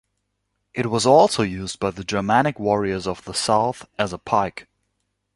It was also used by the Germanic warriors of the south as a pike.